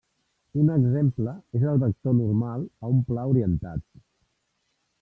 Un exemple és el vector normal a un pla orientat.